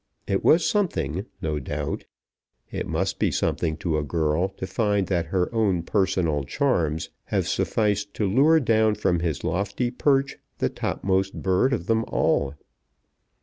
It was something, no doubt. It must be something to a girl to find that her own personal charms have sufficed to lure down from his lofty perch the topmost bird of them all.